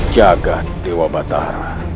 jaga dewa batara